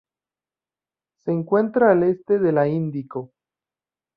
Se encuentra al este de la Índico.